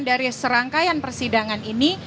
dari serangkaian persidangan ini